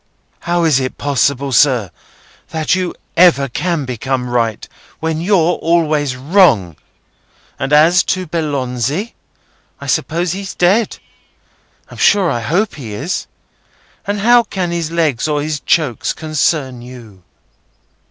"How is it possible, sir, that you ever can come right when you're always wrong? And as to Belzoni, I suppose he's dead;—I'm sure I hope he is—and how can his legs or his chokes concern you?"